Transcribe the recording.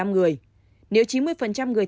một mươi năm người nếu chín mươi người